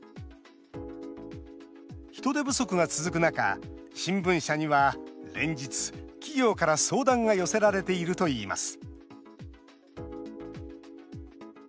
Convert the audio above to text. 人手不足が続く中新聞社には連日、企業から相談が寄せられているといいます